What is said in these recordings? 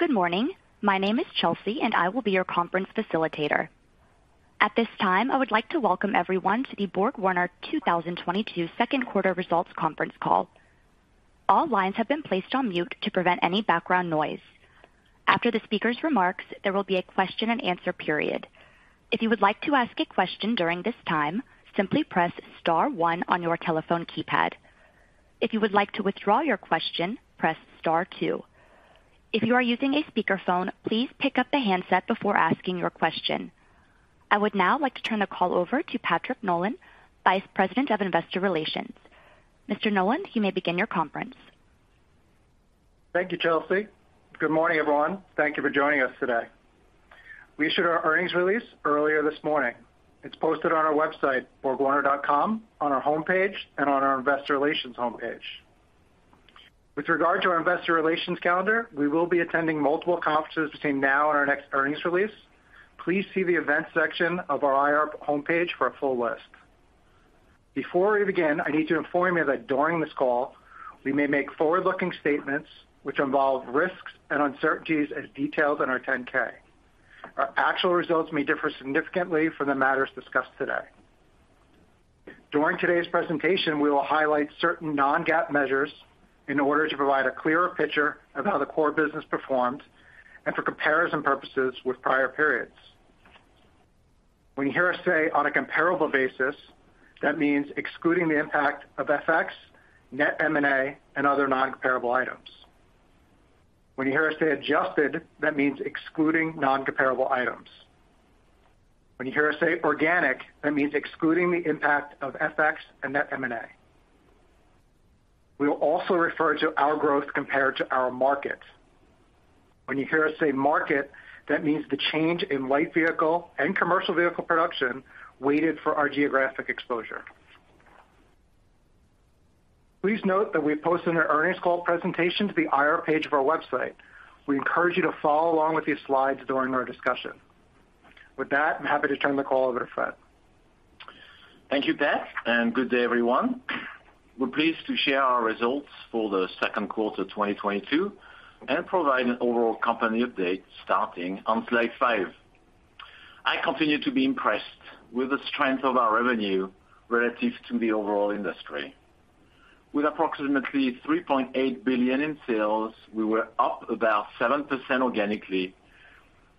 Good morning. My name is Chelsea, and I will be your conference facilitator. At this time, I would like to welcome everyone to the BorgWarner 2022 second quarter results conference call. All lines have been placed on mute to prevent any background noise. After the speaker's remarks, there will be a question-and-answer period. If you would like to ask a question during this time, simply press star one on your telephone keypad. If you would like to withdraw your question, press star two. If you are using a speakerphone, please pick up the handset before asking your question. I would now like to turn the call over to Patrick Nolan, Vice President of Investor Relations. Mr. Nolan, you may begin your conference. Thank you, Chelsea. Good morning, everyone. Thank you for joining us today. We issued our earnings release earlier this morning. It's posted on our website, borgwarner.com, on our homepage and on our Investor Relations homepage. With regard to our investor relations calendar, we will be attending multiple conferences between now and our next earnings release. Please see the events section of our IR homepage for a full list. Before we begin, I need to inform you that during this call we may make forward-looking statements which involve risks and uncertainties as detailed in our 10-K. Our actual results may differ significantly from the matters discussed today. During today's presentation, we will highlight certain non-GAAP measures in order to provide a clearer picture of how the core business performed and for comparison purposes with prior periods. When you hear us say, "On a comparable basis," that means excluding the impact of FX, net M&A, and other non-comparable items. When you hear us say, "Adjusted," that means excluding non-comparable items. When you hear us say, "Organic," that means excluding the impact of FX and net M&A. We will also refer to our growth compared to our market. When you hear us say, "Market," that means the change in light vehicle and commercial vehicle production weighted for our geographic exposure. Please note that we've posted an earnings call presentation to the IR page of our website. We encourage you to follow along with these slides during our discussion. With that, I'm happy to turn the call over to Fréd. Thank you, Pat, and good day, everyone. We're pleased to share our results for the second quarter of 2022 and provide an overall company update starting on slide 5. I continue to be impressed with the strength of our revenue relative to the overall industry. With approximately $3.8 billion in sales, we were up about 7% organically,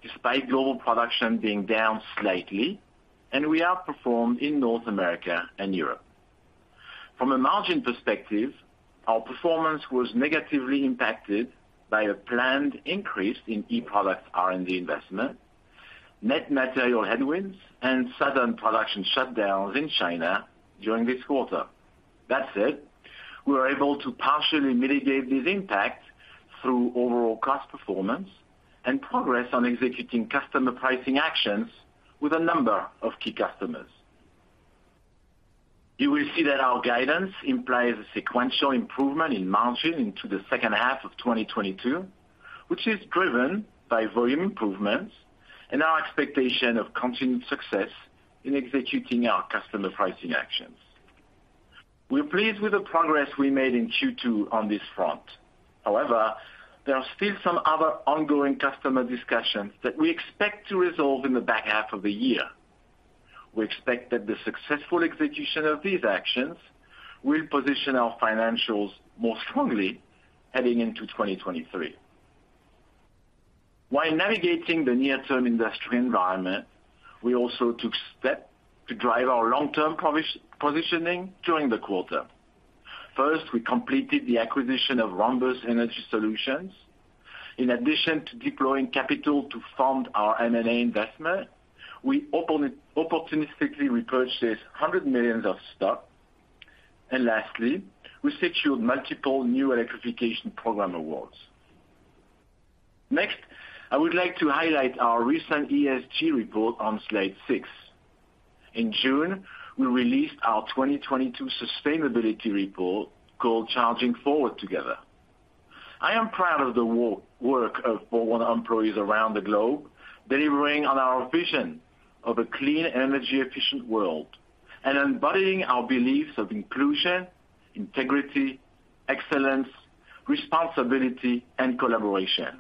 despite global production being down slightly, and we outperformed in North America and Europe. From a margin perspective, our performance was negatively impacted by a planned increase in e-products R&D investment, net material headwinds, and sudden production shutdowns in China during this quarter. That said, we were able to partially mitigate these impacts through overall cost performance and progress on executing customer pricing actions with a number of key customers. You will see that our guidance implies a sequential improvement in margin into the second half of 2022, which is driven by volume improvements and our expectation of continued success in executing our customer pricing actions. We're pleased with the progress we made in Q2 on this front. However, there are still some other ongoing customer discussions that we expect to resolve in the back half of the year. We expect that the successful execution of these actions will position our financials more strongly heading into 2023. While navigating the near-term industry environment, we also took steps to drive our long-term positioning during the quarter. First, we completed the acquisition of Rhombus Energy Solutions. In addition to deploying capital to fund our M&A investment, we opportunistically repurchased $100 million of stock. Lastly, we secured multiple new electrification program awards. Next, I would like to highlight our recent ESG report on slide 6. In June, we released our 2022 sustainability report called Charging Forward Together. I am proud of the work of BorgWarner employees around the globe, delivering on our vision of a clean, energy-efficient world and embodying our beliefs of inclusion, integrity, excellence, responsibility, and collaboration.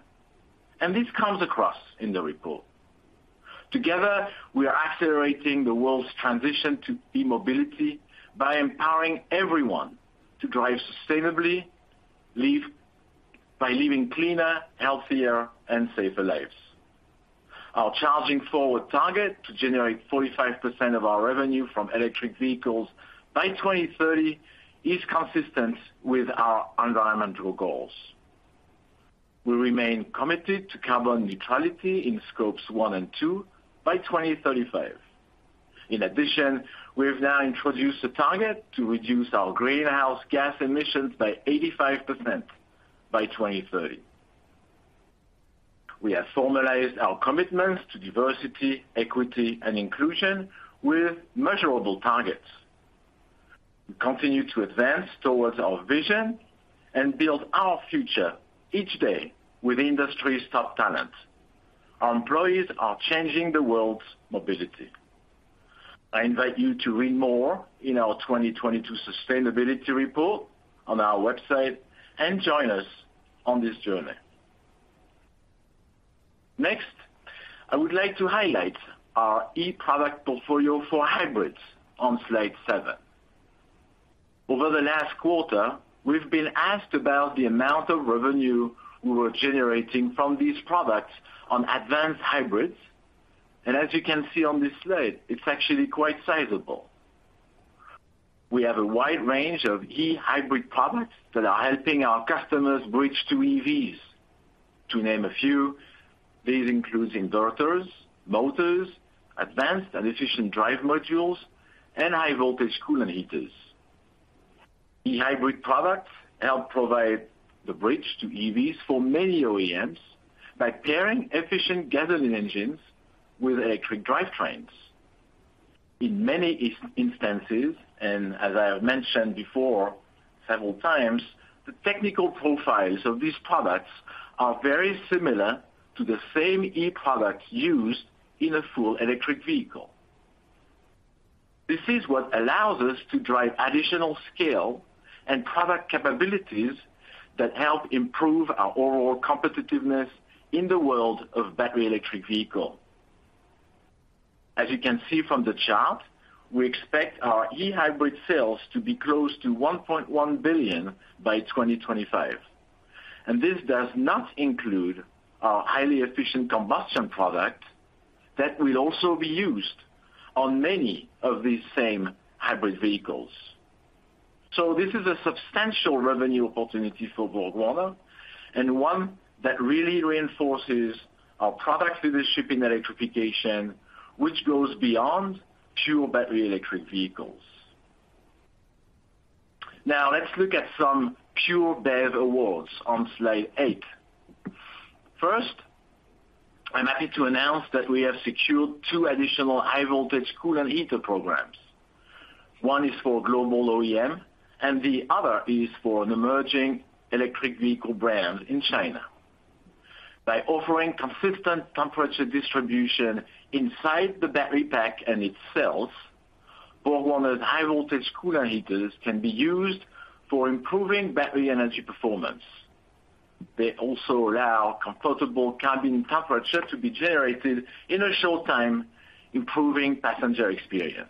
This comes across in the report. Together, we are accelerating the world's transition to e-mobility by empowering everyone to drive sustainably, by living cleaner, healthier, and safer lives. Our Charging Forward target to generate 45% of our revenue from electric vehicles by 2030 is consistent with our environmental goals. We remain committed to carbon neutrality in Scope 1 and 2 by 2035. In addition, we have now introduced a target to reduce our greenhouse gas emissions by 85% by 2030. We have formalized our commitments to diversity, equity, and inclusion with measurable targets. We continue to advance towards our vision and build our future each day with industry's top talent. Our employees are changing the world's mobility. I invite you to read more in our 2022 Sustainability Report on our website and join us on this journey. Next, I would like to highlight our e-product portfolio for hybrids on slide 7. Over the last quarter, we've been asked about the amount of revenue we were generating from these products on advanced hybrids. As you can see on this slide, it's actually quite sizable. We have a wide range of e-hybrid products that are helping our customers bridge to EVs. To name a few, these include inverters, motors, advanced and efficient drive modules, and High Voltage Coolant Heaters. E-hybrid products help provide the bridge to EVs for many OEMs by pairing efficient gasoline engines with electric drivetrains. In many instances, and as I have mentioned before several times, the technical profiles of these products are very similar to the same e-product used in a full electric vehicle. This is what allows us to drive additional scale and product capabilities that help improve our overall competitiveness in the world of battery electric vehicle. As you can see from the chart, we expect our e-hybrid sales to be close to $1.1 billion by 2025, and this does not include our highly efficient combustion product that will also be used on many of these same hybrid vehicles. This is a substantial revenue opportunity for BorgWarner and one that really reinforces our product leadership in electrification, which goes beyond pure battery electric vehicles. Now let's look at some pure BEV awards on slide 8. First, I'm happy to announce that we have secured two additional high voltage coolant heater programs. One is for a global OEM and the other is for an emerging electric vehicle brand in China. By offering consistent temperature distribution inside the battery pack and its cells, BorgWarner's High Voltage Coolant Heaters can be used for improving battery energy performance. They also allow comfortable cabin temperature to be generated in a short time, improving passenger experience.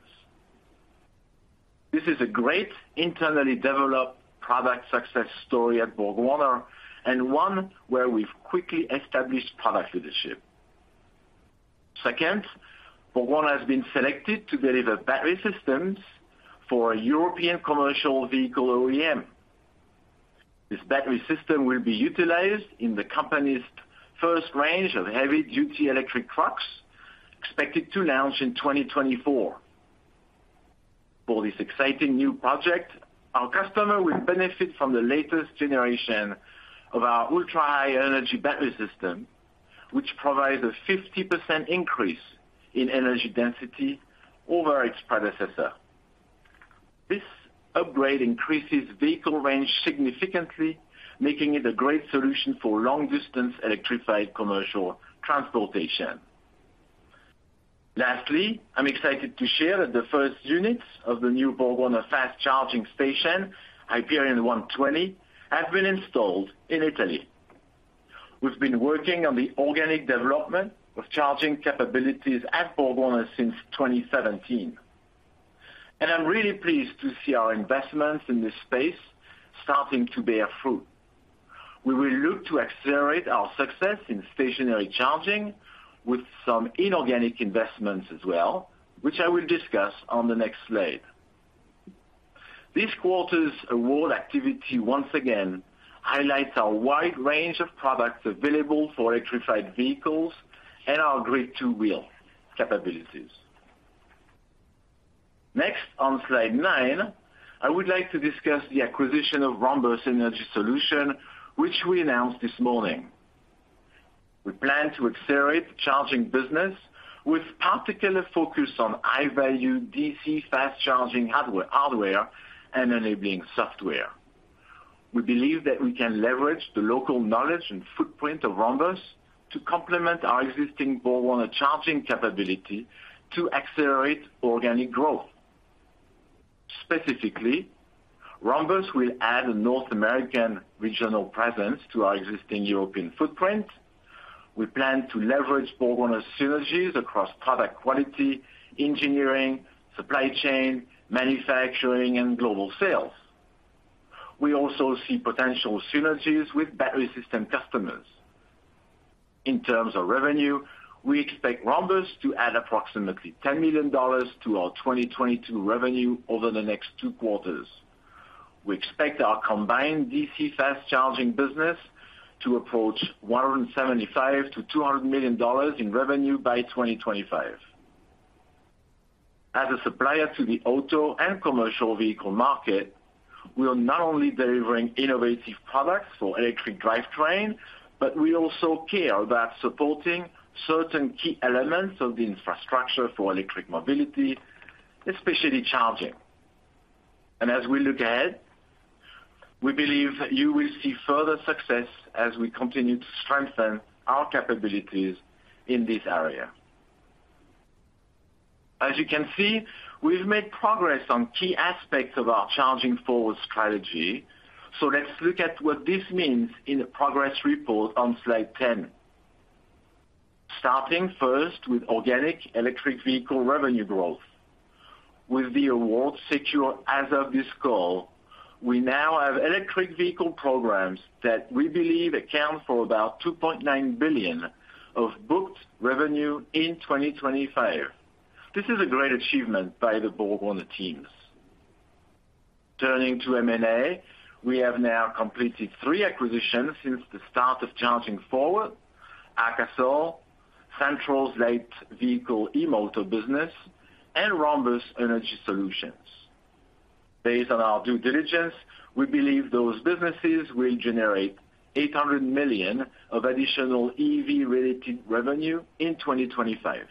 This is a great internally developed product success story at BorgWarner and one where we've quickly established product leadership. Second, BorgWarner has been selected to deliver battery systems for a European commercial vehicle OEM. This battery system will be utilized in the company's first range of heavy-duty electric trucks expected to launch in 2024. For this exciting new project, our customer will benefit from the latest generation of our ultra-high energy battery system, which provides a 50% increase in energy density over its predecessor. This upgrade increases vehicle range significantly, making it a great solution for long distance electrified commercial transportation. Lastly, I'm excited to share that the first units of the new BorgWarner fast charging station, Iperion-120, have been installed in Italy. We've been working on the organic development of charging capabilities at BorgWarner since 2017, and I'm really pleased to see our investments in this space starting to bear fruit. We will look to accelerate our success in stationary charging with some inorganic investments as well, which I will discuss on the next slide. This quarter's award activity once again highlights our wide range of products available for electrified vehicles and our grid-to-wheel capabilities. Next, on slide 9, I would like to discuss the acquisition of Rhombus Energy Solutions, which we announced this morning. We plan to accelerate the charging business with particular focus on high-value DC fast charging hardware and enabling software. We believe that we can leverage the local knowledge and footprint of Rhombus to complement our existing BorgWarner charging capability to accelerate organic growth. Specifically, Rhombus will add a North American regional presence to our existing European footprint. We plan to leverage BorgWarner synergies across product quality, engineering, supply chain, manufacturing, and global sales. We also see potential synergies with battery system customers. In terms of revenue, we expect Rhombus to add approximately $10 million to our 2022 revenue over the next two quarters. We expect our combined DC fast charging business to approach $175 million-$200 million in revenue by 2025. As a supplier to the auto and commercial vehicle market, we are not only delivering innovative products for electric drivetrain, but we also care about supporting certain key elements of the infrastructure for electric mobility, especially charging. As we look ahead, we believe you will see further success as we continue to strengthen our capabilities in this area. As you can see, we've made progress on key aspects of our Charging Forward strategy, so let's look at what this means in the progress report on slide 10. Starting first with organic electric vehicle revenue growth. With the award secure as of this call, we now have electric vehicle programs that we believe account for about $2.9 billion of booked revenue in 2025. This is a great achievement by the BorgWarner teams. Turning to M&A, we have now completed three acquisitions since the start of Charging Forward, AKASOL, Santroll's light vehicle e-motor business, and Rhombus Energy Solutions. Based on our due diligence, we believe those businesses will generate $800 million of additional EV-related revenue in 2025.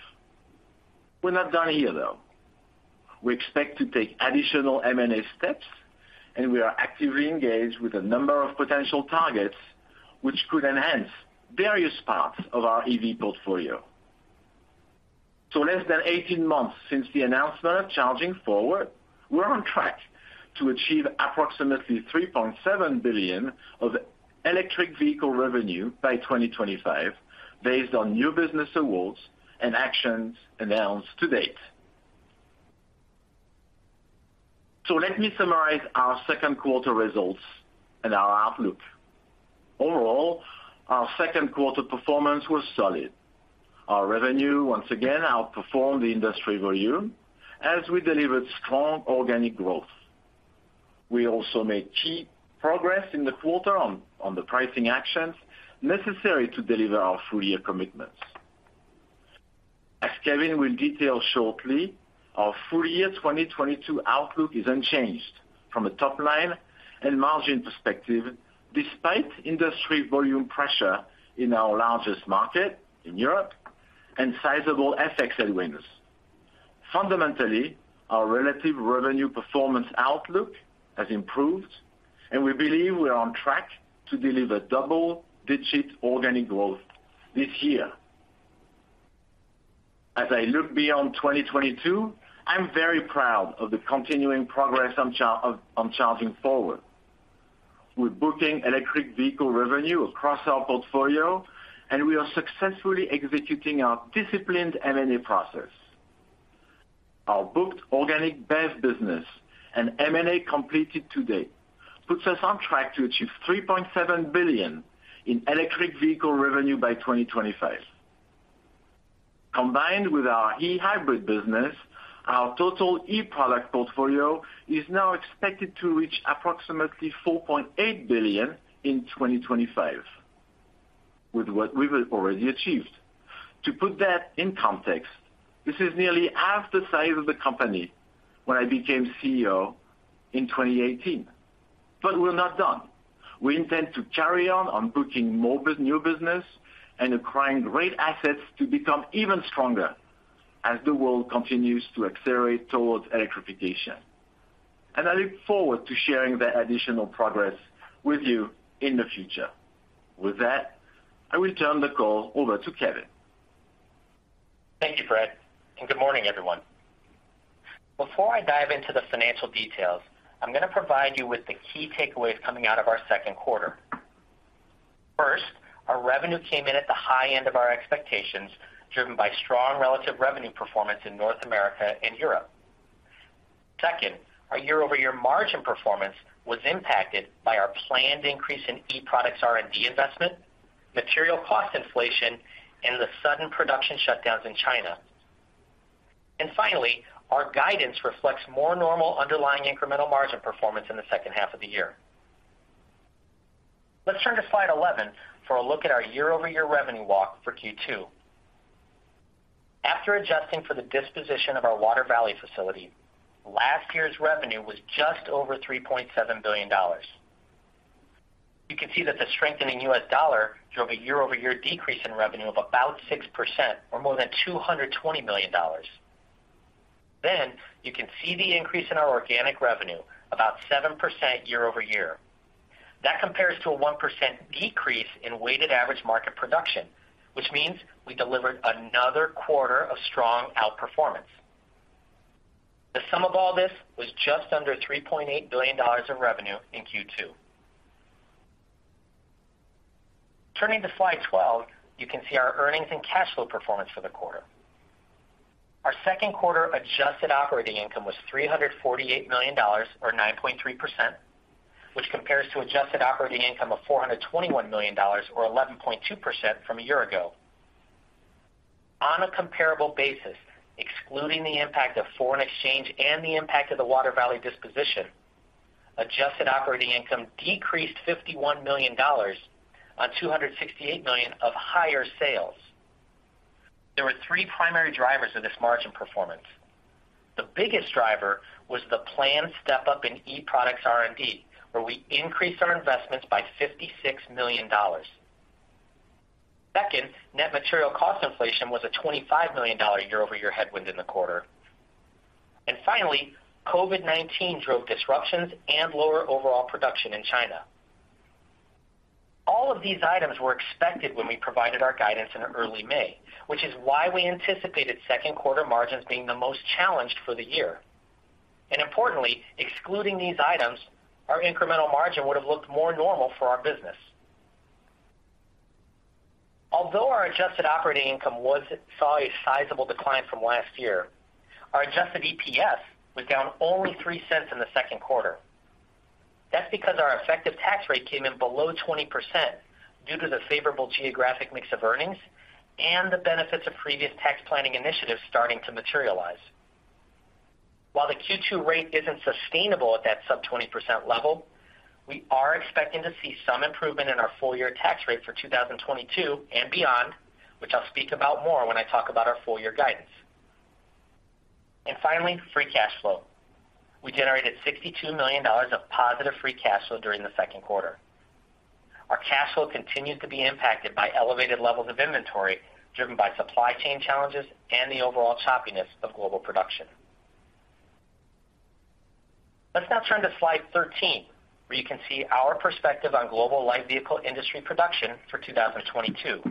We're not done here, though. We expect to take additional M&A steps, and we are actively engaged with a number of potential targets which could enhance various parts of our EV portfolio. Less than 18 months since the announcement of Charging Forward, we're on track to achieve approximately $3.7 billion of electric vehicle revenue by 2025, based on new business awards and actions announced to date. Let me summarize our second quarter results and our outlook. Overall, our second quarter performance was solid. Our revenue once again outperformed the industry volume as we delivered strong organic growth. We also made key progress in the quarter on the pricing actions necessary to deliver our full-year commitments. As Kevin will detail shortly, our full year 2022 outlook is unchanged from a top line and margin perspective, despite industry volume pressure in our largest market in Europe and sizable FX headwinds. Fundamentally, our relative revenue performance outlook has improved, and we believe we are on track to deliver double-digit organic growth this year. As I look beyond 2022, I'm very proud of the continuing progress on Charging Forward. We're booking electric vehicle revenue across our portfolio, and we are successfully executing our disciplined M&A process. Our booked organic BEV business and M&A completed to date puts us on track to achieve $3.7 billion in electric vehicle revenue by 2025. Combined with our E-hybrid business, our total e-product portfolio is now expected to reach approximately $4.8 billion in 2025 with what we've already achieved. To put that in context, this is nearly half the size of the company when I became CEO in 2018, but we're not done. We intend to carry on booking more new business and acquiring great assets to become even stronger as the world continues to accelerate towards electrification. I look forward to sharing that additional progress with you in the future. With that, I will turn the call over to Kevin. Thank you, Fréd, and good morning, everyone. Before I dive into the financial details, I'm gonna provide you with the key takeaways coming out of our second quarter. First, our revenue came in at the high end of our expectations, driven by strong relative revenue performance in North America and Europe. Second, our year-over-year margin performance was impacted by our planned increase in e-products R&D investment, material cost inflation, and the sudden production shutdowns in China. Finally, our guidance reflects more normal underlying incremental margin performance in the second half of the year. Let's turn to slide 11 for a look at our year-over-year revenue walk for Q2. After adjusting for the disposition of our Water Valley facility, last year's revenue was just over $3.7 billion. You can see that the strengthening U.S. dollar drove a year-over-year decrease in revenue of about 6% or more than $220 million. You can see the increase in our organic revenue, about 7% year-over-year. That compares to a 1% decrease in weighted average market production, which means we delivered another quarter of strong outperformance. The sum of all this was just under $3.8 billion in revenue in Q2. Turning to slide 12, you can see our earnings and cash flow performance for the quarter. Our second quarter adjusted operating income was $348 million or 9.3%, which compares to adjusted operating income of $421 million or 11.2% from a year ago. On a comparable basis, excluding the impact of foreign exchange and the impact of the Water Valley disposition, adjusted operating income decreased $51 million on $268 million of higher sales. There were three primary drivers of this margin performance. The biggest driver was the planned step-up in e-products R&D, where we increased our investments by $56 million. Second, net material cost inflation was a $25 million year-over-year headwind in the quarter. Finally, COVID-19 drove disruptions and lower overall production in China. All of these items were expected when we provided our guidance in early May, which is why we anticipated second quarter margins being the most challenged for the year. Importantly, excluding these items, our incremental margin would have looked more normal for our business. Although our adjusted operating income was a sizable decline from last year, our adjusted EPS was down only $0.03 in the second quarter. That's because our effective tax rate came in below 20% due to the favorable geographic mix of earnings and the benefits of previous tax planning initiatives starting to materialize. While the Q2 rate isn't sustainable at that sub-20% level, we are expecting to see some improvement in our full year tax rate for 2022 and beyond, which I'll speak about more when I talk about our full year guidance. Finally, free cash flow. We generated $62 million of positive free cash flow during the second quarter. Our cash flow continued to be impacted by elevated levels of inventory, driven by supply chain challenges and the overall choppiness of global production. Let's now turn to slide 13, where you can see our perspective on global light vehicle industry production for 2022.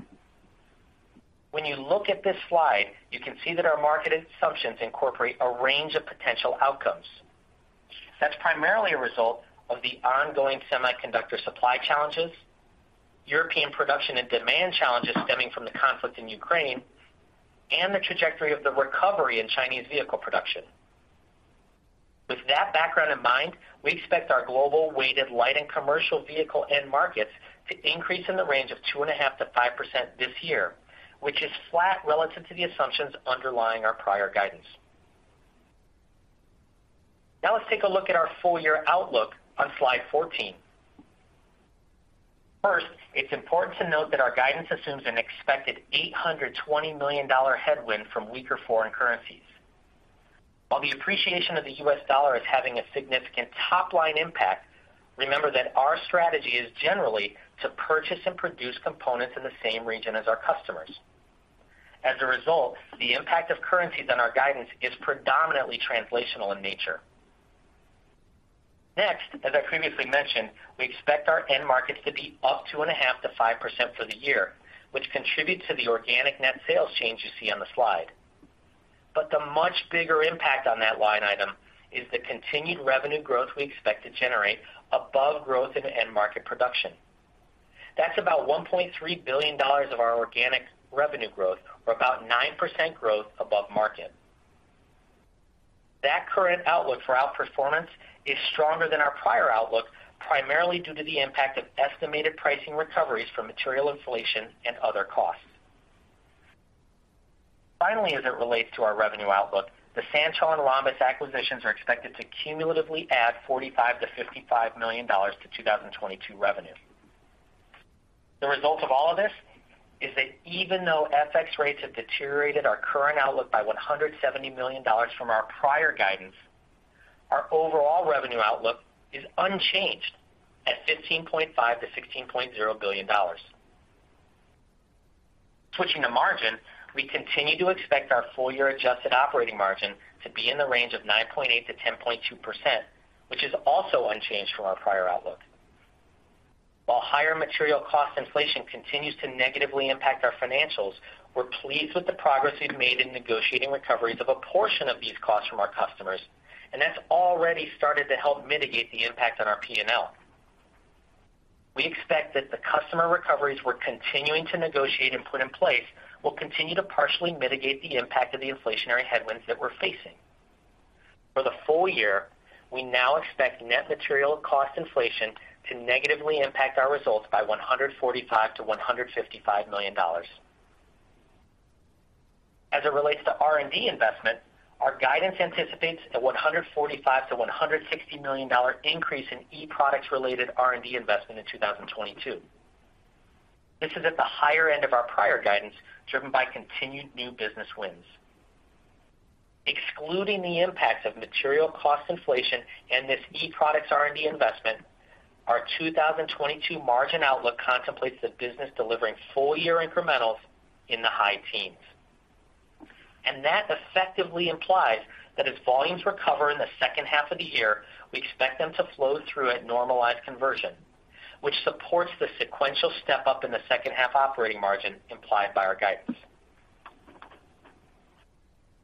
When you look at this slide, you can see that our market assumptions incorporate a range of potential outcomes. That's primarily a result of the ongoing semiconductor supply challenges, European production and demand challenges stemming from the conflict in Ukraine, and the trajectory of the recovery in Chinese vehicle production. With that background in mind, we expect our global weighted light and commercial vehicle end markets to increase in the range of 2.5%-5% this year, which is flat relative to the assumptions underlying our prior guidance. Now let's take a look at our full year outlook on slide 14. First, it's important to note that our guidance assumes an expected $820 million headwind from weaker foreign currencies. While the appreciation of the U.S. dollar is having a significant top line impact, remember that our strategy is generally to purchase and produce components in the same region as our customers. As a result, the impact of currencies on our guidance is predominantly translational in nature. Next, as I previously mentioned, we expect our end markets to be up 2.5%-5% for the year, which contributes to the organic net sales change you see on the slide. The much bigger impact on that line item is the continued revenue growth we expect to generate above growth in end market production. That's about $1.3 billion of our organic revenue growth or about 9% growth above market. That current outlook for outperformance is stronger than our prior outlook, primarily due to the impact of estimated pricing recoveries from material inflation and other costs. Finally, as it relates to our revenue outlook, the Santroll and Rhombus acquisitions are expected to cumulatively add $45 million-$55 million to 2022 revenue. The result of all of this is that even though FX rates have deteriorated our current outlook by $170 million from our prior guidance, our overall revenue outlook is unchanged at $15.5 billion-$16.0 billion. Switching to margin, we continue to expect our full year adjusted operating margin to be in the range of 9.8%-10.2%, which is also unchanged from our prior outlook. While higher material cost inflation continues to negatively impact our financials, we're pleased with the progress we've made in negotiating recoveries of a portion of these costs from our customers, and that's already started to help mitigate the impact on our P&L. We expect that the customer recoveries we're continuing to negotiate and put in place will continue to partially mitigate the impact of the inflationary headwinds that we're facing. For the full year, we now expect net material cost inflation to negatively impact our results by $145 million-$155 million. As it relates to R&D investment, our guidance anticipates a $145 million-$160 million increase in e-products related R&D investment in 2022. This is at the higher end of our prior guidance, driven by continued new business wins. Excluding the impacts of material cost inflation and this e-products R&D investment, our 2022 margin outlook contemplates the business delivering full year incrementals in the high teens. That effectively implies that as volumes recover in the second half of the year, we expect them to flow through at normalized conversion, which supports the sequential step up in the second half operating margin implied by our guidance.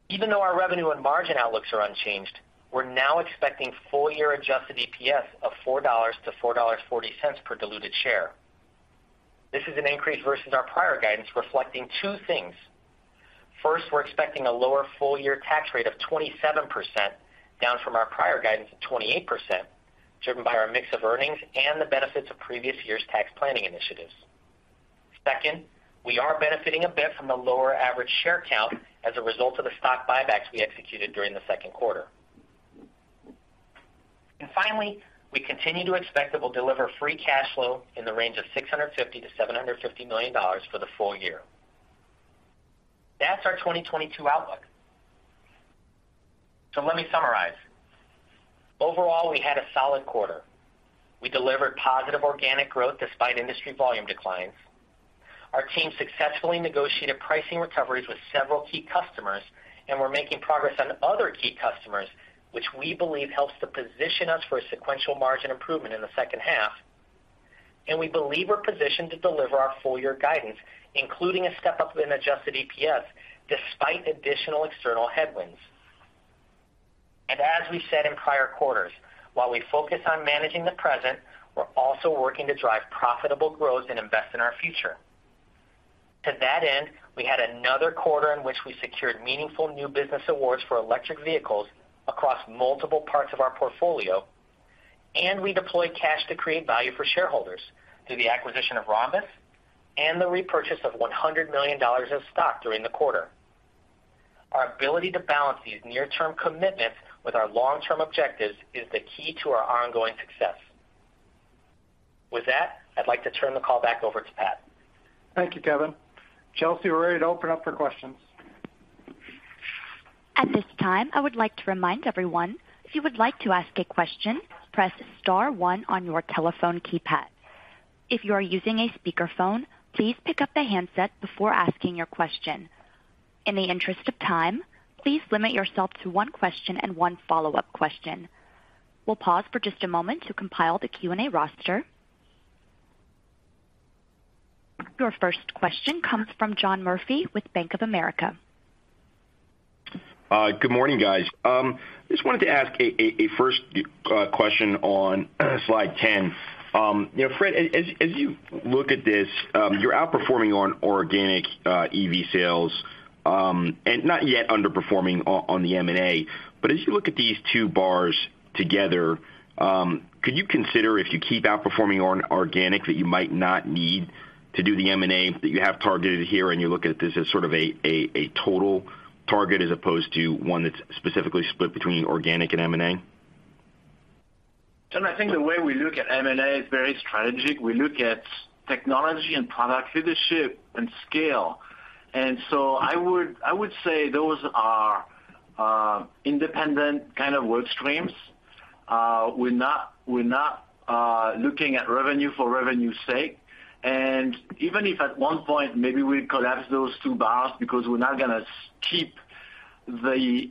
Even though our revenue and margin outlooks are unchanged, we're now expecting full year adjusted EPS of $4-$4.40 per diluted share. This is an increase versus our prior guidance reflecting two things. First, we're expecting a lower full year tax rate of 27%, down from our prior guidance of 28%, driven by our mix of earnings and the benefits of previous year's tax planning initiatives. Second, we are benefiting a bit from the lower average share count as a result of the stock buybacks we executed during the second quarter. And finally, we continue to expect that we'll deliver free cash flow in the range of $650 million-$750 million for the full year. That's our 2022 outlook. Let me summarize. Overall, we had a solid quarter. We delivered positive organic growth despite industry volume declines. Our team successfully negotiated pricing recoveries with several key customers, and we're making progress on other key customers, which we believe helps to position us for a sequential margin improvement in the second half. We believe we're positioned to deliver our full year guidance, including a step-up in adjusted EPS despite additional external headwinds. As we said in prior quarters, while we focus on managing the present, we're also working to drive profitable growth and invest in our future. To that end, we had another quarter in which we secured meaningful new business awards for electric vehicles across multiple parts of our portfolio, and we deployed cash to create value for shareholders through the acquisition of Rhombus and the repurchase of $100 million of stock during the quarter. Our ability to balance these near-term commitments with our long-term objectives is the key to our ongoing success. With that, I'd like to turn the call back over to Pat. Thank you, Kevin. Chelsea, we're ready to open up for questions. At this time, I would like to remind everyone, if you would like to ask a question, press star one on your telephone keypad. If you are using a speakerphone, please pick up the handset before asking your question. In the interest of time, please limit yourself to one question and one follow-up question. We'll pause for just a moment to compile the Q&A roster. Your first question comes from John Murphy with Bank of America. Good morning, guys. Just wanted to ask a first question on slide 10. You know, Fréd, as you look at this, you're outperforming on organic EV sales, and not yet underperforming on the M&A. As you look at these two bars together, could you consider if you keep outperforming on organic that you might not need to do the M&A that you have targeted here, and you look at this as sort of a total target as opposed to one that's specifically split between organic and M&A? John, I think the way we look at M&A is very strategic. We look at technology and product leadership and scale. I would say those are independent kind of work streams. We're not looking at revenue for revenue's sake. Even if at one point maybe we collapse those two bars because we're not gonna keep the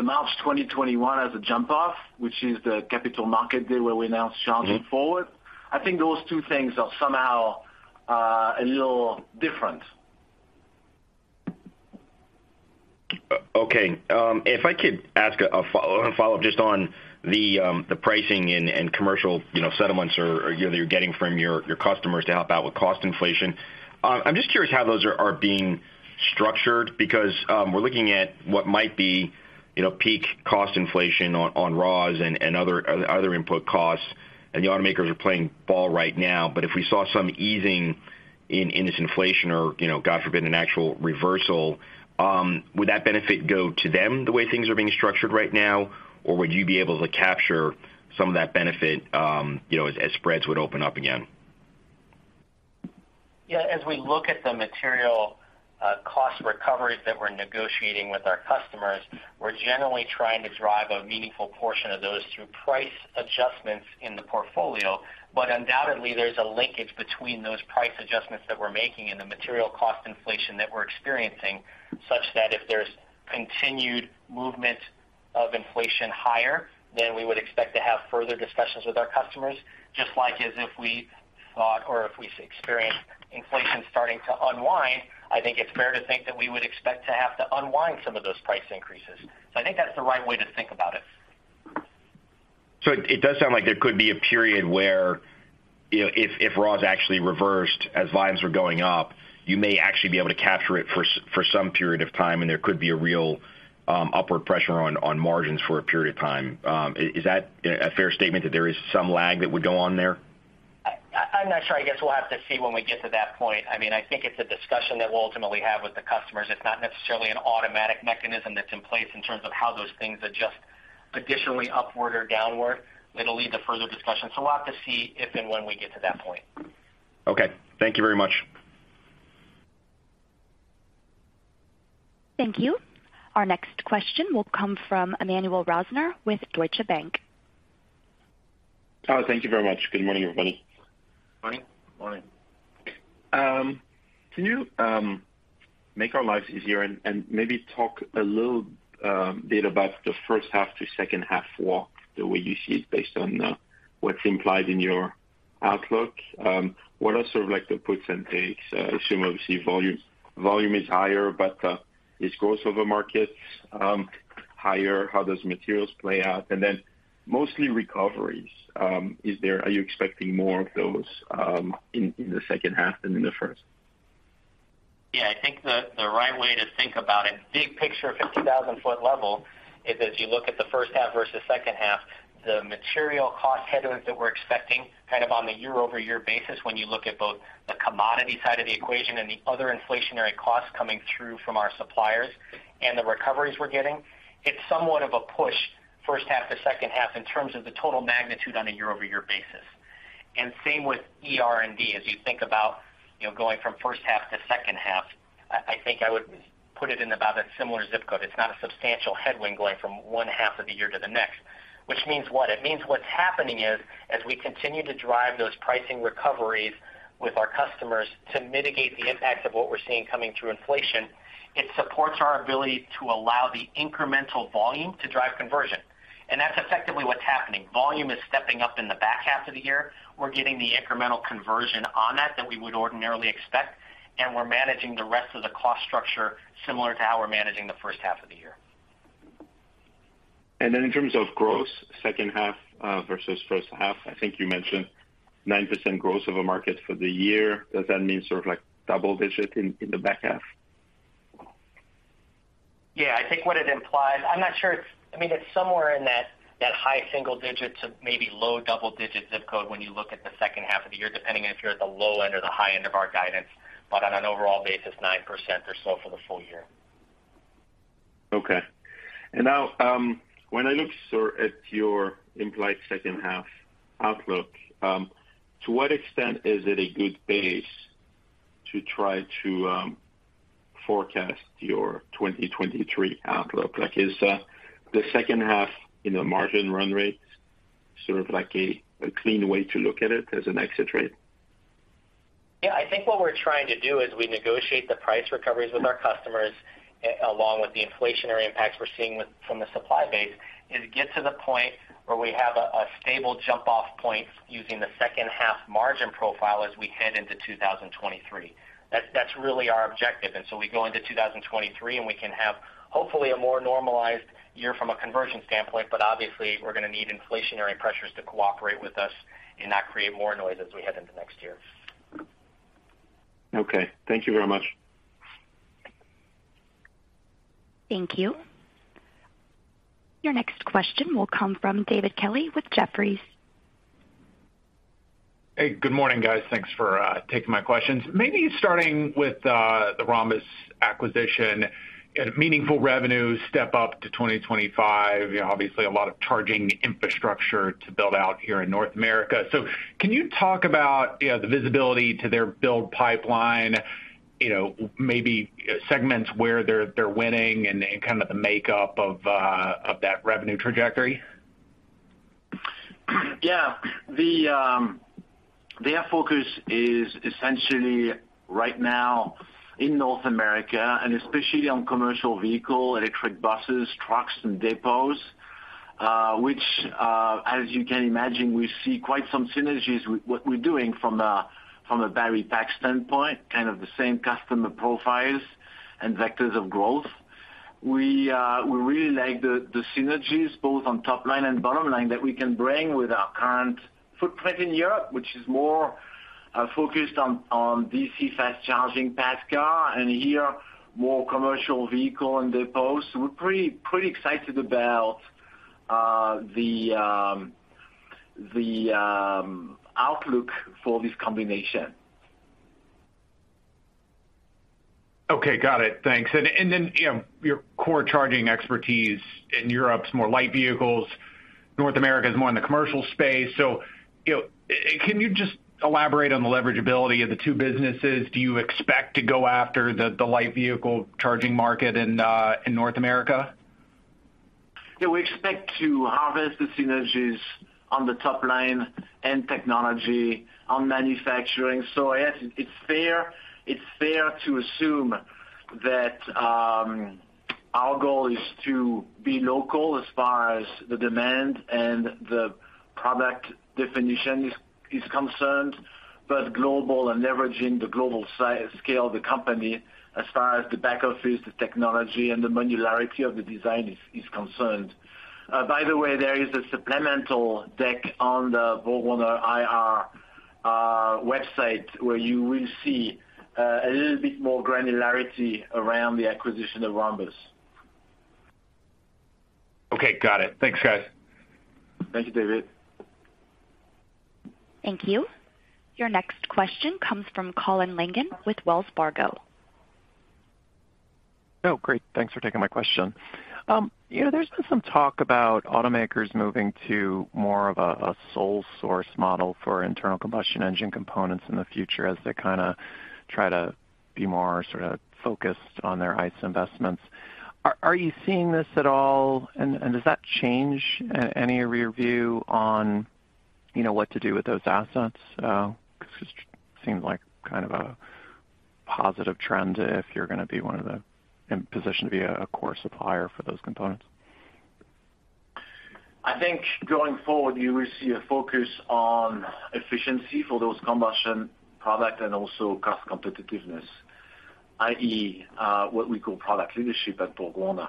March 2021 as a jump off, which is the capital market day where we announced Charging Forward, I think those two things are somehow a little different. Okay. If I could ask a follow-up just on the pricing and commercial, you know, settlements or, you know, you're getting from your customers to help out with cost inflation. I'm just curious how those are being structured because we're looking at what might be, you know, peak cost inflation on raws and other input costs, and the automakers are playing ball right now. But if we saw some easing in this inflation or, you know, God forbid, an actual reversal, would that benefit go to them the way things are being structured right now? Or would you be able to capture some of that benefit, you know, as spreads would open up again? Yeah. As we look at the material cost recoveries that we're negotiating with our customers, we're generally trying to drive a meaningful portion of those through price adjustments in the portfolio. Undoubtedly, there's a linkage between those price adjustments that we're making and the material cost inflation that we're experiencing, such that if there's continued movement of inflation higher, then we would expect to have further discussions with our customers. Just like as if we thought or if we experienced inflation starting to unwind, I think it's fair to think that we would expect to have to unwind some of those price increases. I think that's the right way to think about it. It does sound like there could be a period where, you know, if raws actually reversed as volumes were going up, you may actually be able to capture it for some period of time, and there could be a real upward pressure on margins for a period of time. Is that a fair statement that there is some lag that would go on there? I'm not sure. I guess we'll have to see when we get to that point. I mean, I think it's a discussion that we'll ultimately have with the customers. It's not necessarily an automatic mechanism that's in place in terms of how those things adjust additionally upward or downward. It'll lead to further discussions. We'll have to see if and when we get to that point. Okay. Thank you very much. Thank you. Our next question will come from Emmanuel Rosner with Deutsche Bank. Oh, thank you very much. Good morning, everybody. Morning. Morning. Can you make our lives easier and maybe talk a little bit about the first half to second half walk, the way you see it based on what's implied in your outlook? What are sort of like the puts and takes? Assume obviously volume is higher but is gross over markets higher? How does materials play out? And then mostly recoveries, are you expecting more of those in the second half than in the first? Yeah. I think the right way to think about it, big picture, 50,000-foot level, is as you look at the first half versus second half, the material cost headwinds that we're expecting kind of on the year-over-year basis when you look at both the commodity side of the equation and the other inflationary costs coming through from our suppliers and the recoveries we're getting. It's somewhat of a push first half to second half in terms of the total magnitude on a year-over-year basis. Same with ER&D. As you think about, you know, going from first half to second half, I think I would put it in about a similar zip code. It's not a substantial headwind going from one half of the year to the next. Which means what? It means what's happening is, as we continue to drive those pricing recoveries with our customers to mitigate the impacts of what we're seeing coming through inflation, it supports our ability to allow the incremental volume to drive conversion. That's effectively what's happening. Volume is stepping up in the back half of the year. We're getting the incremental conversion on that we would ordinarily expect, and we're managing the rest of the cost structure similar to how we're managing the first half of the year. Then in terms of growth, second half versus first half, I think you mentioned 9% growth of a market for the year. Does that mean sort of like double digit in the back half? Yeah. I think what it implies. I mean, it's somewhere in that high single digit to maybe low double digit zip code when you look at the second half of the year, depending on if you're at the low end or the high end of our guidance. On an overall basis, 9% or so for the full year. Okay. Now, when I look at your implied second half outlook, to what extent is it a good base to try to forecast your 2023 outlook? Like, is the second half in the margin run rate sort of like a clean way to look at it as an exit rate? Yeah. I think what we're trying to do as we negotiate the price recoveries with our customers along with the inflationary impacts we're seeing from the supply base, is get to the point where we have a stable jump-off point using the second half margin profile as we head into 2023. That's really our objective. We go into 2023, and we can have, hopefully, a more normalized year from a conversion standpoint, but obviously we're gonna need inflationary pressures to cooperate with us and not create more noise as we head into next year. Okay. Thank you very much. Thank you. Your next question will come from David Kelley with Jefferies. Hey, good morning, guys. Thanks for taking my questions. Maybe starting with the Rhombus acquisition and meaningful revenue step up to 2025, you know, obviously a lot of charging infrastructure to build out here in North America. Can you talk about, you know, the visibility to their build pipeline, you know, maybe segments where they're winning and kind of the makeup of that revenue trajectory? Yeah. Their focus is essentially right now in North America and especially on commercial vehicle, electric buses, trucks and depots, which, as you can imagine, we see quite some synergies with what we're doing from a battery pack standpoint, kind of the same customer profiles and vectors of growth. We really like the synergies both on top line and bottom line that we can bring with our current footprint in Europe which is more focused on DC fast charging, passenger cars, and here, more commercial vehicle and depots. We're pretty excited about the outlook for this combination. Okay. Got it. Thanks. You know, your core charging expertise in Europe is more light vehicles. North America is more in the commercial space. You know, can you just elaborate on the leveragability of the two businesses? Do you expect to go after the light vehicle charging market in North America? Yeah, we expect to harvest the synergies on the top line and technology on manufacturing. Yes, it's fair to assume that our goal is to be local as far as the demand and the product definition is concerned, but global and leveraging the global scale of the company as far as the back office, the technology, and the modularity of the design is concerned. By the way, there is a supplemental deck on the BorgWarner IR website, where you will see a little bit more granularity around the acquisition of Rhombus. Okay. Got it. Thanks, guys. Thank you, David. Thank you. Your next question comes from Colin Langan with Wells Fargo. Oh, great. Thanks for taking my question. You know, there's been some talk about automakers moving to more of a sole source model for internal combustion engine components in the future as they kinda try to be more sort of focused on their ICE investments. Are you seeing this at all? Does that change any of your view on, you know, what to do with those assets? 'Cause it seems like kind of a positive trend if you're gonna be in position to be a core supplier for those components. I think going forward, you will see a focus on efficiency for those combustion product and also cost competitiveness, i.e., what we call product leadership at BorgWarner.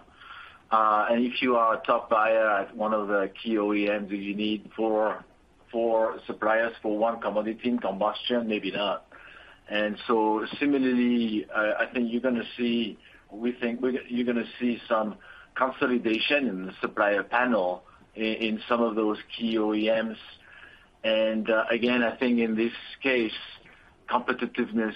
If you are a top buyer at one of the key OEMs, do you need 4 suppliers for one commodity in combustion? Maybe not. Similarly, I think you're gonna see some consolidation in the supplier panel in some of those key OEMs. Again, I think in this case competitiveness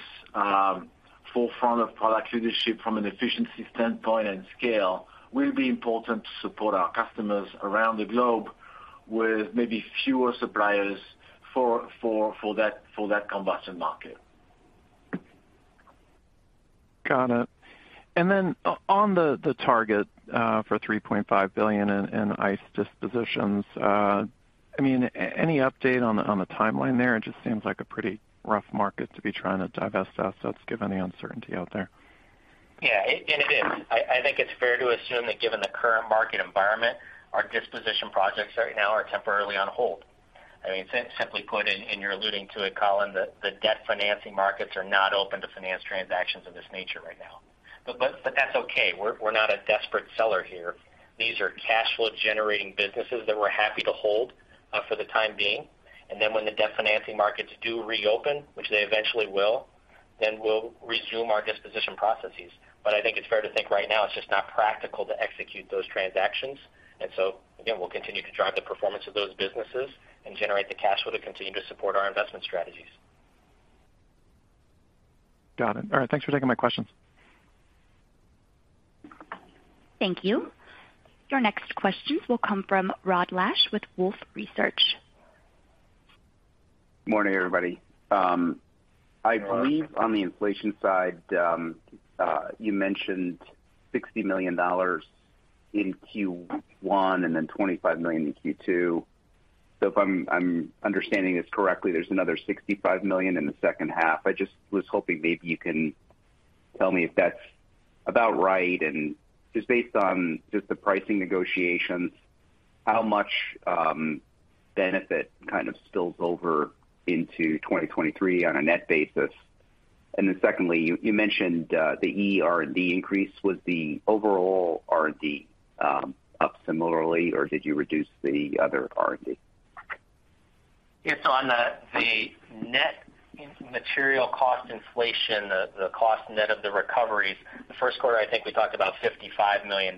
forefront of product leadership from an efficiency standpoint and scale will be important to support our customers around the globe with maybe fewer suppliers for that combustion market. Got it. On the target for $3.5 billion in ICE dispositions, I mean, any update on the timeline there? It just seems like a pretty rough market to be trying to divest assets given the uncertainty out there. Yeah. It is. I think it's fair to assume that given the current market environment, our disposition projects right now are temporarily on hold. I mean, simply put, you're alluding to it, Colin, the debt financing markets are not open to finance transactions of this nature right now. That's okay. We're not a desperate seller here. These are cash flow generating businesses that we're happy to hold for the time being. Then when the debt financing markets do reopen, which they eventually will, we'll resume our disposition processes. I think it's fair to think right now it's just not practical to execute those transactions. We'll continue to drive the performance of those businesses and generate the cash flow to continue to support our investment strategies. Got it. All right. Thanks for taking my questions. Thank you. Your next questions will come from Rod Lache with Wolfe Research. Morning, everybody. I believe on the inflation side, you mentioned $60 million in Q1 and then $25 million in Q2. If I'm understanding this correctly, there's another $65 million in the second half. I just was hoping maybe you can tell me if that's about right and just based on just the pricing negotiations, how much benefit kind of spills over into 2023 on a net basis. Then secondly, you mentioned the ER&D increase. Was the overall R&D up similarly, or did you reduce the other R&D? Yeah. On the net in material cost inflation, the cost net of the recoveries, the first quarter, I think we talked about $55 million,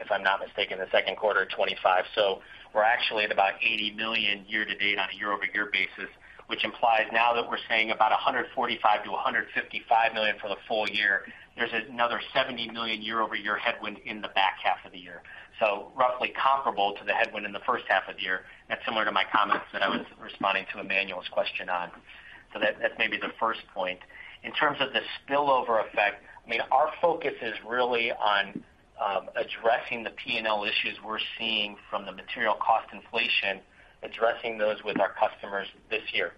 if I'm not mistaken, the second quarter, $25. We're actually at about $80 million year-to-date on a year-over-year basis, which implies now that we're saying about $145 million-$155 million for the full year. There's another $70 million year-over-year headwind in the back half of the year. Roughly comparable to the headwind in the first half of the year. That's similar to my comments that I was responding to Emmanuel's question on. That's maybe the first point. In terms of the spillover effect, I mean, our focus is really on addressing the P&L issues we're seeing from the material cost inflation, addressing those with our customers this year.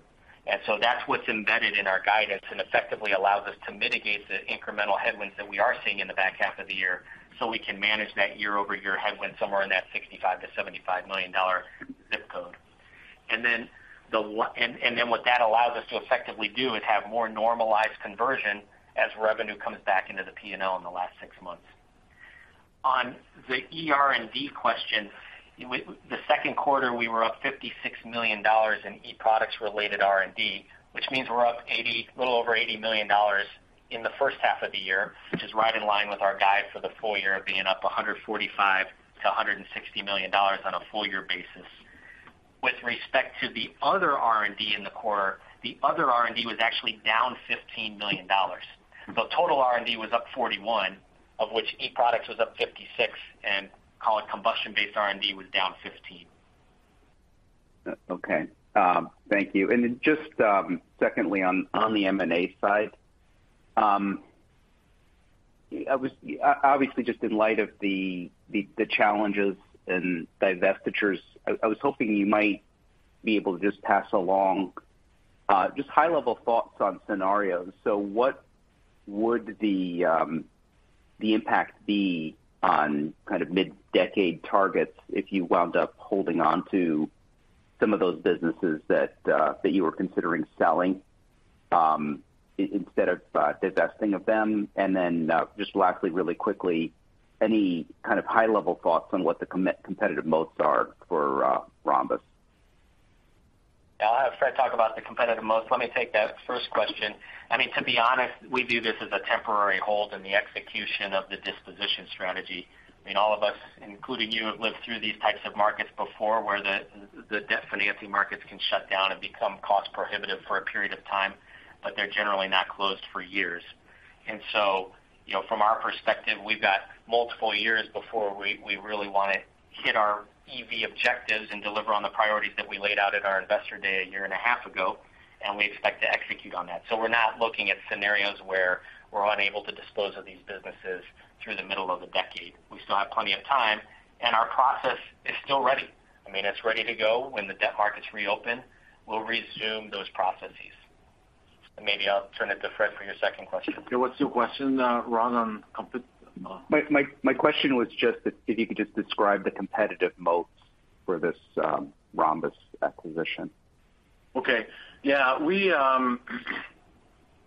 That's what's embedded in our guidance and effectively allows us to mitigate the incremental headwinds that we are seeing in the back half of the year, so we can manage that year-over-year headwind somewhere in that $65 million-$75 million zip code. What that allows us to effectively do is have more normalized conversion as revenue comes back into the P&L in the last 6 months. On the ER&D question, the second quarter, we were up $56 million in e-products related R&D, which means we're up a little over $80 million in the first half of the year, which is right in line with our guide for the full year being up $145 million-$160 million on a full year basis. With respect to the other R&D in the quarter, the other R&D was actually down $15 million. Total R&D was up $41 million, of which e-products was up $56 million, and call it combustion-based R&D was down $15 million. Just, secondly on the M&A side, I was obviously just in light of the challenges and divestitures, I was hoping you might be able to just pass along just high-level thoughts on scenarios. What would the impact be on kind of mid-decade targets if you wound up holding on to some of those businesses that you were considering selling, instead of divesting of them? Just lastly, really quickly, any kind of high-level thoughts on what the competitive moats are for Rhombus? Yeah. I'll have Fréd talk about the competitive moats. Let me take that first question. I mean, to be honest, we view this as a temporary hold in the execution of the disposition strategy. I mean, all of us, including you, have lived through these types of markets before where the debt financing markets can shut down and become cost prohibitive for a period of time, but they're generally not closed for years. You know, from our perspective, we've got multiple years before we really wanna hit our EV objectives and deliver on the priorities that we laid out at our investor day a year and a half ago, and we expect to execute on that. We're not looking at scenarios where we're unable to dispose of these businesses through the middle of the decade. We still have plenty of time, and our process is still ready. I mean, it's ready to go when the debt markets reopen. We'll resume those processes. Maybe I'll turn it to Fréd for your second question. Yeah. What's your question, Rod, on competition? My question was just if you could just describe the competitive moats for this Rhombus acquisition? Okay. Yeah.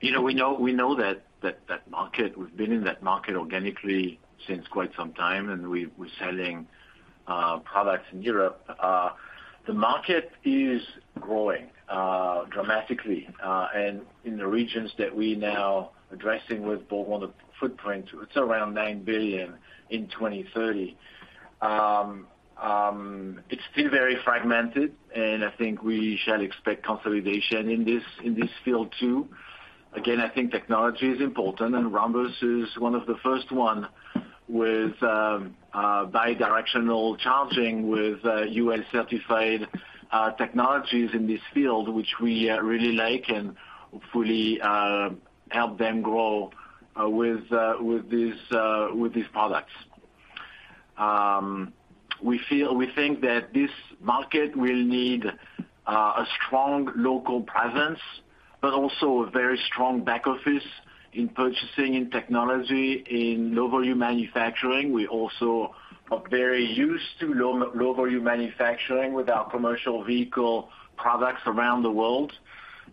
You know, we know that market. We've been in that market organically since quite some time and we're selling products in Europe. The market is growing dramatically, and in the regions that we're now addressing with both on the footprint, it's around $9 billion in 2030. It's still very fragmented, and I think we shall expect consolidation in this field too. Again, I think technology is important, and Rhombus is one of the first one with bidirectional charging with U.S. certified technologies in this field, which we really like and hopefully help them grow with these products. We think that this market will need a strong local presence, but also a very strong back office in purchasing, in technology, in low volume manufacturing. We also are very used to low volume manufacturing with our commercial vehicle products around the world,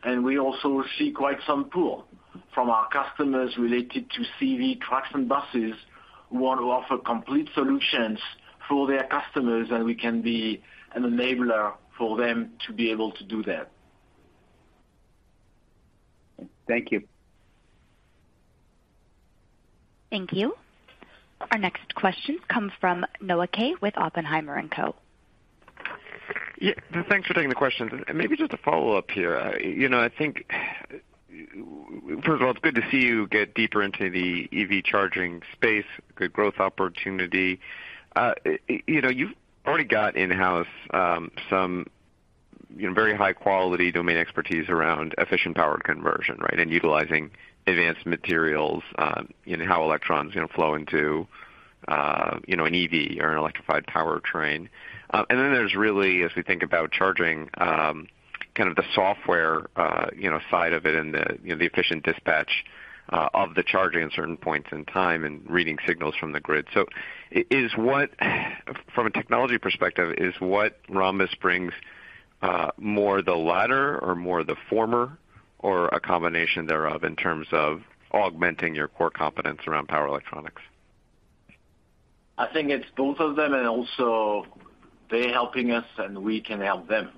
and we also see quite some pull from our customers related to CV trucks and buses who want to offer complete solutions for their customers, and we can be an enabler for them to be able to do that. Thank you. Thank you. Our next question comes from Noah Kaye with Oppenheimer & Co. Yeah, thanks for taking the questions. Maybe just a follow-up here. You know, I think, first of all, it's good to see you get deeper into the EV charging space, good growth opportunity. You know, you've already got in-house some, you know, very high quality domain expertise around efficient power conversion, right? And utilizing advanced materials, you know, how electrons, you know, flow into, you know, an EV or an electrified powertrain. And then there's really, as we think about charging, kind of the software, you know, side of it and the, you know, the efficient dispatch, of the charging at certain points in time and reading signals from the grid. From a technology perspective, is what Rhombus brings more the latter or more the former or a combination thereof in terms of augmenting your core competence around power electronics? I think it's both of them, and also they're helping us, and we can help them.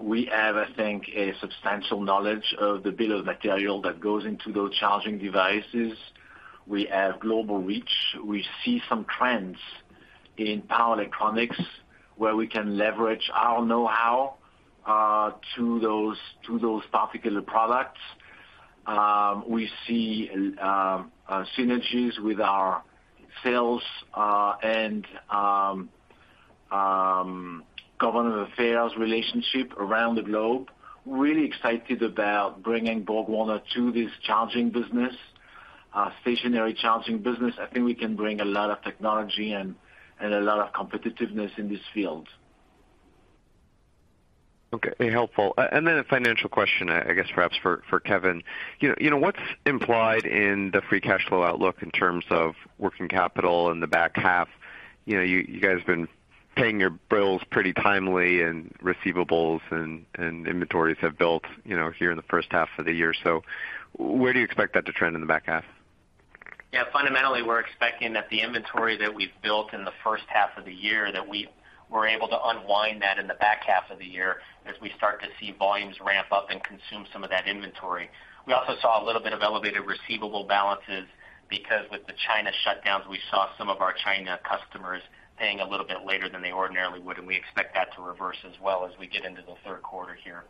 We have, I think, a substantial knowledge of the bill of material that goes into those charging devices. We have global reach. We see some trends in power electronics where we can leverage our know-how to those particular products. We see synergies with our sales and government affairs relationship around the globe. Really excited about bringing BorgWarner to this charging business, stationary charging business. I think we can bring a lot of technology and a lot of competitiveness in this field. Okay. Helpful. A financial question, I guess perhaps for Kevin. You know, what's implied in the free cash flow outlook in terms of working capital in the back half? You know, you guys have been paying your bills pretty timely and receivables and inventories have built, you know, here in the first half of the year. Where do you expect that to trend in the back half? Yeah. Fundamentally, we're expecting that the inventory that we've built in the first half of the year, that we were able to unwind that in the back half of the year as we start to see volumes ramp up and consume some of that inventory. We also saw a little bit of elevated receivable balances because with the China shutdowns, we saw some of our China customers paying a little bit later than they ordinarily would and we expect that to reverse as well as we get into the third quarter here.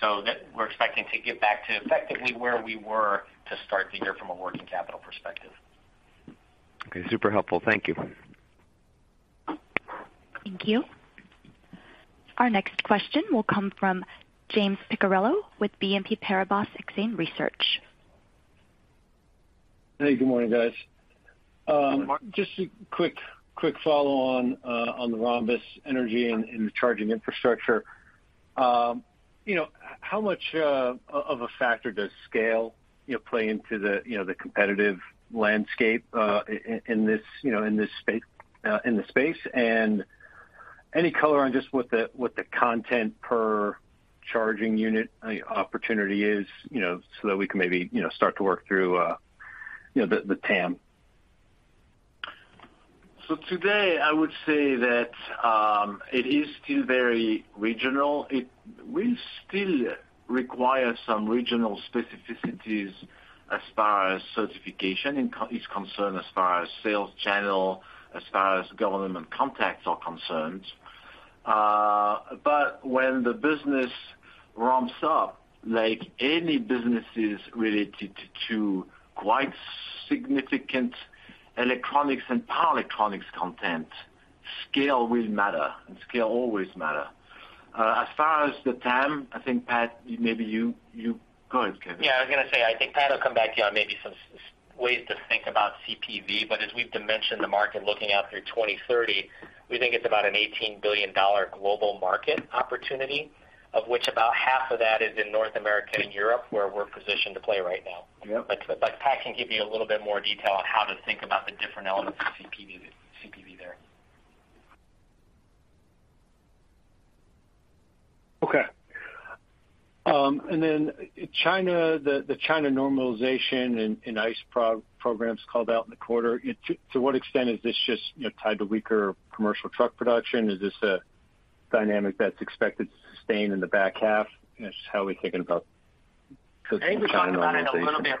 That we're expecting to get back to effectively where we were to start the year from a working capital perspective. Okay, super helpful. Thank you. Thank you. Our next question will come from James Picariello with BNP Paribas Exane. Hey, good morning, guys. Good morning. Just a quick follow on the Rhombus Energy and the charging infrastructure. You know, how much of a factor does scale, you know, play into the competitive landscape in this space? Any color on just what the content per charging unit opportunity is, you know, so that we can maybe start to work through the TAM. Today I would say that it is still very regional. It will still require some regional specificities as far as certification is concerned, as far as sales channel, as far as government contacts are concerned. When the business ramps up, like any businesses related to quite significant electronics and power electronics content, scale will matter, and scale always matter. As far as the TAM, I think, Pat, maybe you. Go ahead, Kevin. Yeah, I was gonna say, I think Pat will come back to you on maybe some ways to think about CPV. As we've dimensioned the market looking out through 2030, we think it's about an $18 billion global market opportunity of which about half of that is in North America and Europe, where we're positioned to play right now. Yep. Pat can give you a little bit more detail on how to think about the different elements of CPV there. Okay. China, the China normalization and ICE programs called out in the quarter. To what extent is this just, you know, tied to weaker commercial truck production? Is this a dynamic that's expected to sustain in the back half? Just how are we thinking about the China normalization?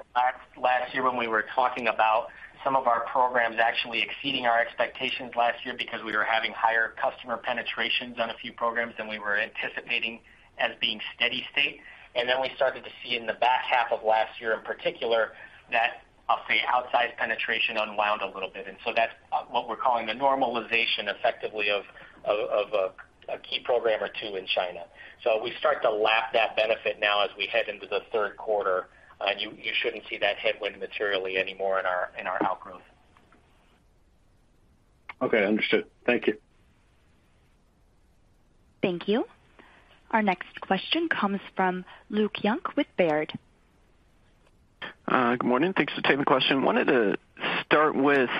Last year when we were talking about some of our programs actually exceeding our expectations last year because we were having higher customer penetrations on a few programs than we were anticipating as being steady state. We started to see in the back half of last year in particular, that I'll say, outsized penetration unwound a little bit. That's what we're calling the normalization effectively of a key program or two in China. We start to lap that benefit now as we head into the third quarter, you shouldn't see that headwind materially anymore in our outgrowth. Okay, understood. Thank you. Thank you. Our next question comes from Luke Junk with Baird. Good morning. Thanks for taking the question. Wanted to start with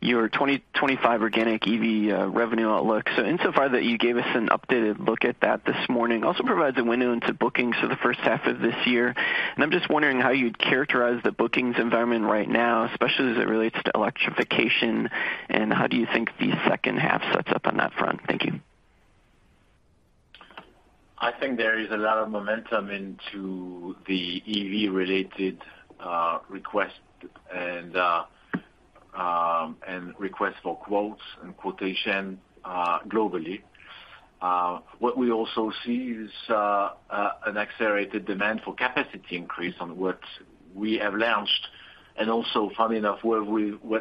your 2025 organic EV revenue outlook. Insofar as you gave us an updated look at that this morning, also provides a window into bookings for the first half of this year. I'm just wondering how you'd characterize the bookings environment right now, especially as it relates to electrification. How do you think the second half sets up on that front? Thank you. I think there is a lot of momentum into the EV-related request and request for quotes and quotation globally. What we also see is an accelerated demand for capacity increase on what we have launched and also funny enough, what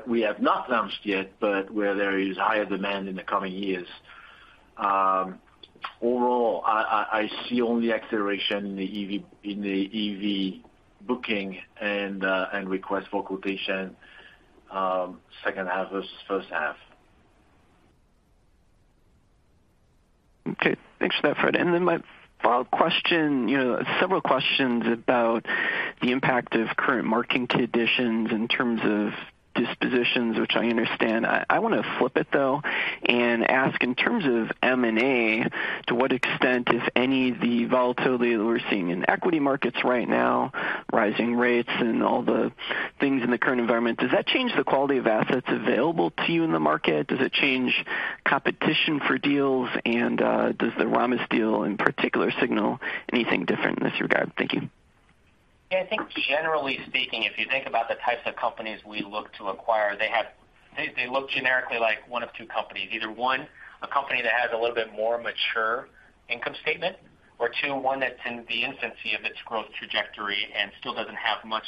we have not launched yet, but where there is higher demand in the coming years. Overall, I see only acceleration in the EV booking and request for quotation second half versus first half. Okay. Thanks for that, Fréd. My follow-up question, you know, several questions about the impact of current market conditions in terms of dispositions, which I understand. I wanna flip it, though, and ask in terms of M&A, to what extent, if any, the volatility that we're seeing in equity markets right now, rising rates and all the things in the current environment. Does that change the quality of assets available to you in the market? Does it change competition for deals? Does the Rhombus deal in particular signal anything different in this regard? Thank you. Yeah, I think generally speaking, if you think about the types of companies we look to acquire, they look generically like one of two companies, either one, a company that has a little bit more mature income statement, or two, one that's in the infancy of its growth trajectory and still doesn't have much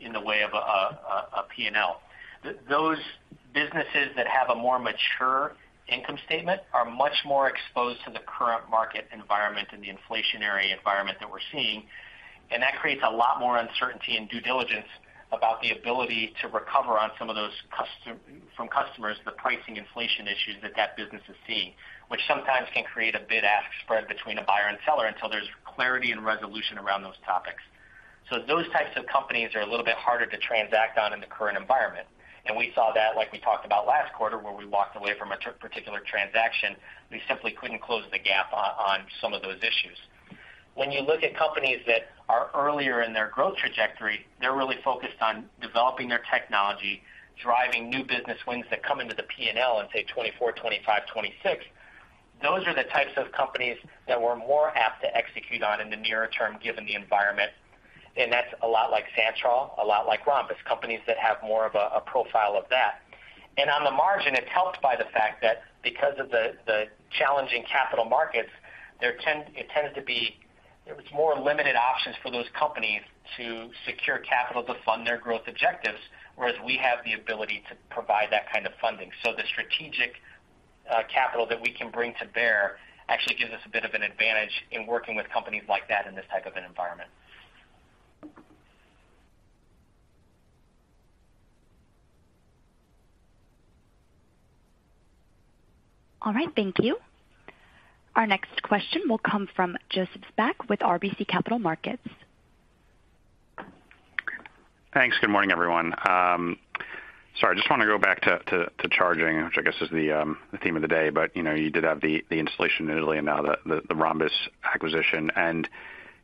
in the way of a P&L. Those businesses that have a more mature income statement are much more exposed to the current market environment and the inflationary environment that we're seeing. That creates a lot more uncertainty and due diligence about the ability to recover on some of those from customers, the pricing inflation issues that that business is seeing, which sometimes can create a bid-ask spread between a buyer and seller until there's clarity and resolution around those topics. Those types of companies are a little bit harder to transact on in the current environment. We saw that, like we talked about last quarter, where we walked away from a particular transaction, we simply couldn't close the gap on some of those issues. When you look at companies that are earlier in their growth trajectory, they're really focused on developing their technology, driving new business wins that come into the P&L in say, 2024, 2025, 2026. Those are the types of companies that we're more apt to execute on in the nearer term, given the environment. That's a lot like Santroll, a lot like Rhombus, companies that have more of a profile of that. On the margin, it's helped by the fact that because of the challenging capital markets, there was more limited options for those companies to secure capital to fund their growth objectives, whereas we have the ability to provide that kind of funding. The strategic capital that we can bring to bear actually gives us a bit of an advantage in working with companies like that in this type of an environment. All right, thank you. Our next question will come from Joseph Spak with RBC Capital Markets. Thanks. Good morning, everyone. Sorry, I just wanna go back to charging, which I guess is the theme of the day. You know, you did have the installation in Italy and now the Rhombus acquisition.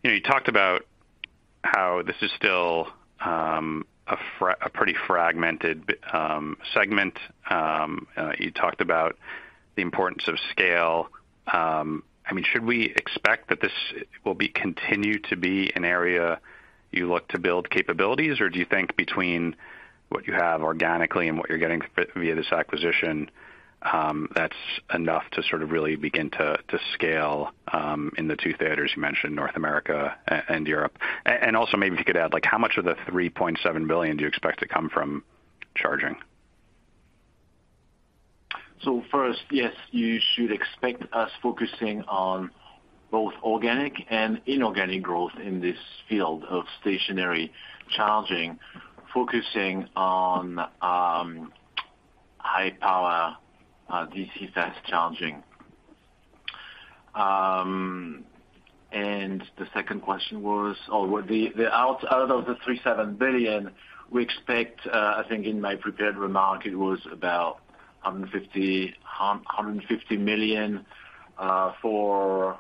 You know, you talked about how this is still a pretty fragmented segment. You talked about the importance of scale. I mean, should we expect that this will continue to be an area you look to build capabilities? Or do you think between what you have organically and what you're getting via this acquisition, that's enough to sort of really begin to scale in the two theaters you mentioned, North America and Europe? Also maybe if you could add, like, how much of the $3.7 billion do you expect to come from charging? First, yes, you should expect us focusing on both organic and inorganic growth in this field of stationary charging, focusing on high power DC fast charging. The second question was out of the $3.7 billion we expect. I think in my prepared remarks, it was about 150 million for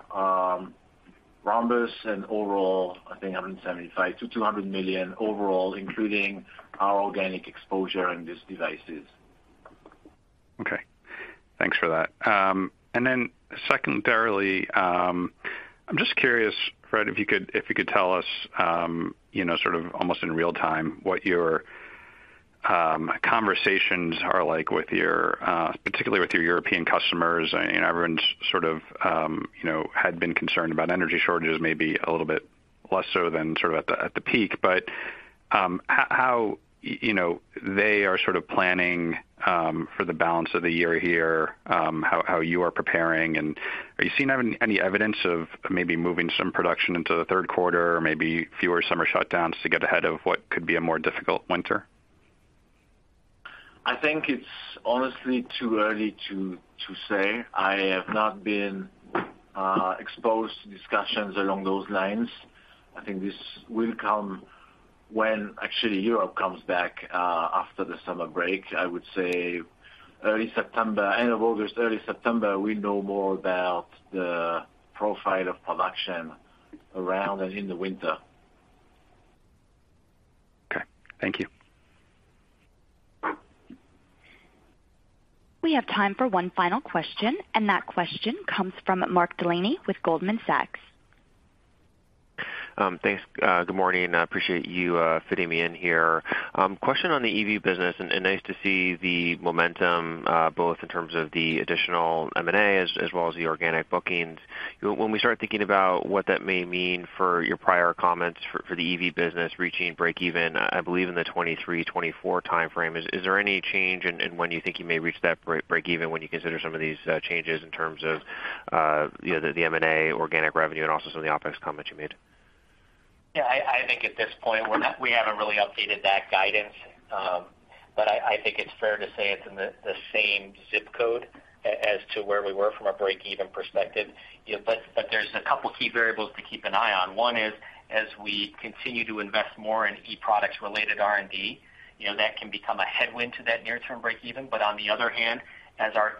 Rhombus and overall, I think $175 million-$200 million overall, including our organic exposure in these devices. Okay. Thanks for that. Secondarily, I'm just curious, Fréd, if you could tell us, you know, sort of almost in real time what your conversations are like with your, particularly with your European customers. You know, everyone's sort of, you know, had been concerned about energy shortages, maybe a little bit less so than sort of at the peak. How you know, they are sort of planning for the balance of the year here, how you are preparing, and are you seeing any evidence of maybe moving some production into the third quarter, maybe fewer summer shutdowns to get ahead of what could be a more difficult winter? I think it's honestly too early to say. I have not been exposed to discussions along those lines. I think this will come when actually Europe comes back after the summer break. I would say early September. End of August, early September, we know more about the profile of production around and in the winter. Okay. Thank you. We have time for one final question, and that question comes from Mark Delaney with Goldman Sachs. Thanks. Good morning. I appreciate you fitting me in here. Question on the EV business, and nice to see the momentum both in terms of the additional M&A as well as the organic bookings. When we start thinking about what that may mean for your prior comments for the EV business reaching breakeven, I believe in the 2023-2024 timeframe, is there any change in when you think you may reach that breakeven when you consider some of these changes in terms of, you know, the M&A, organic revenue and also some of the OpEx comments you made? Yeah, I think at this point we haven't really updated that guidance. I think it's fair to say it's in the same zip code as to where we were from a breakeven perspective. You know, but there's a couple key variables to keep an eye on. One is as we continue to invest more in e-products related R&D, you know, that can become a headwind to that near term breakeven. On the other hand, as our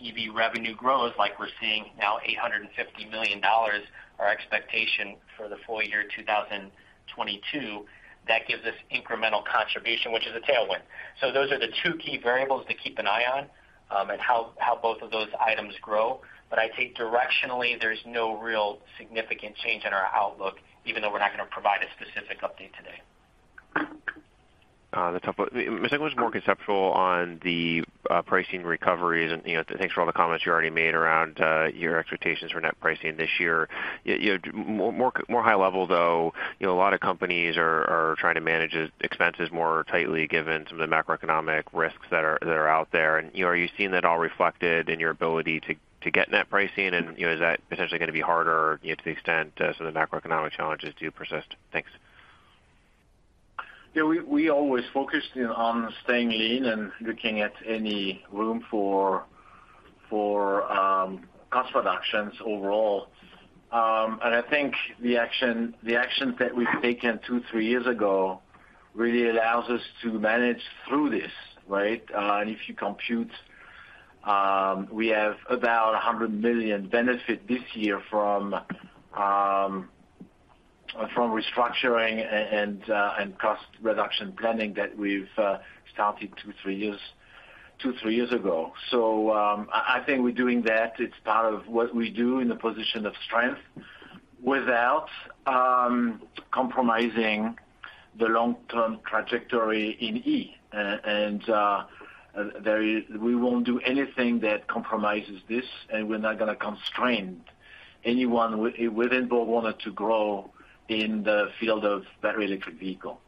EV revenue grows, like we're seeing now $850 million, our expectation for the full year 2022, that gives us incremental contribution, which is a tailwind. Those are the two key variables to keep an eye on, and how both of those items grow. I think directionally there's no real significant change in our outlook, even though we're not gonna provide a specific update today. The second one's more conceptual on the pricing recoveries. You know, thanks for all the comments you already made around your expectations for net pricing this year. You know, more high level though. You know, a lot of companies are trying to manage expenses more tightly given some of the macroeconomic risks that are out there. You know, are you seeing that all reflected in your ability to get net pricing? You know, is that potentially gonna be harder to the extent some of the macroeconomic challenges do persist? Thanks. Yeah, we always focused on staying lean and looking at any room for cost reductions overall. I think the actions that we've taken two, three years ago really allows us to manage through this, right? If you compute, we have about a $100 million benefit this year from restructuring and cost reduction planning that we've started two, three years ago. I think we're doing that. It's part of what we do in a position of strength without compromising the long-term trajectory in E. We won't do anything that compromises this, and we're not gonna constrain anyone within BorgWarner to grow in the field of battery electric vehicle.